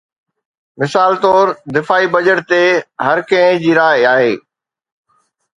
مثال طور، دفاعي بجيٽ تي هر ڪنهن جي راءِ آهي.